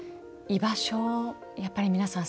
居場所をやっぱり皆さん